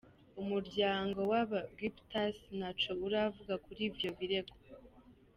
Umuryango w'aba Guptas ntaco uravuga kuri ivyo birego.